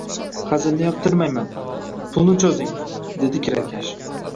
Hazilni yoqtirmayman, pulni cho`zing, dedi kirakash